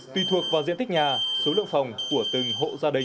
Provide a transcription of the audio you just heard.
tùy thuộc vào diện tích nhà số lượng phòng của từng hộ gia đình